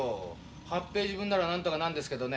８ページ分ならなんとかなるんですけどね